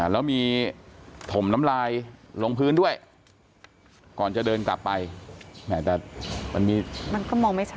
แล้วมีถมน้ำลายลงพื้นด้วยก่อนจะเดินกลับไปแต่มันก็มองไม่ชัด